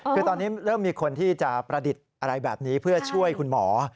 คือตอนนี้เริ่มมีคนที่จะประดิษฐ์อะไรแบบนี้เพื่อช่วยคุณหมอ